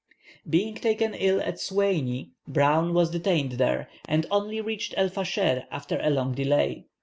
Being taken ill at Soueini, Browne was detained there, and only reached El Fascher after a long delay.